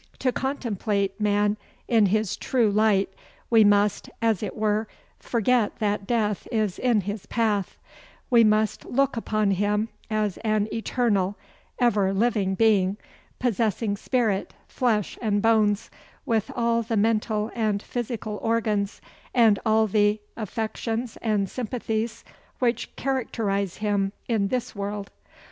To contemplate man in his true light, we must, as it were, forget that death is in his path; we must look upon him as an eternal, ever living being, possessing spirit, flesh and bones, with all the mental and physical organs, and all the affections and sympathies which characterise him in this world.